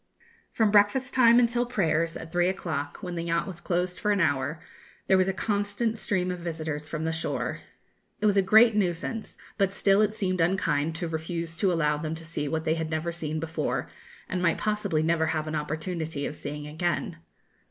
From breakfast time until prayers, at three o'clock, when the yacht was closed for an hour, there was a constant stream of visitors from the shore. It was a great nuisance; but still it seemed unkind to refuse to allow them to see what they had never seen before, and might possibly never have an opportunity of seeing again.